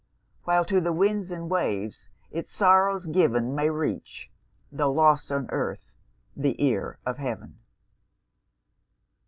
While, to the winds and waves, it's sorrows given, May reach tho' lost on earth the ear of heaven!